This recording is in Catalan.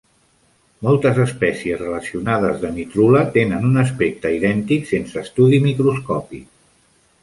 Moltes espècies relacionades de "Mitrula" tenen un aspecte idèntic sense estudi microscòpic.